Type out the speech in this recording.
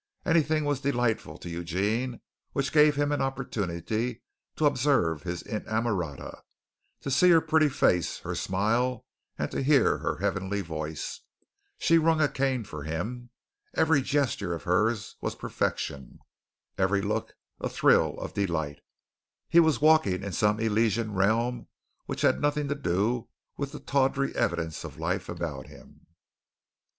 Anything was delightful to Eugene which gave him an opportunity to observe his inamorata, to see her pretty face, her smile, and to hear her heavenly voice. She rung a cane for him. Every gesture of hers was perfection; every look a thrill of delight. He was walking in some elysian realm which had nothing to do with the tawdry evidence of life about him.